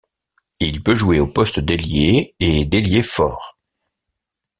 Il peut jouer au poste d'ailier et d'ailier fort.